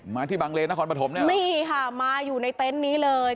มาที่บังเลนนครปฐมเนี่ยนี่ค่ะมาอยู่ในเต็นต์นี้เลย